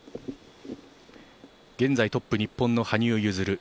現在トップ、日本の羽生結弦。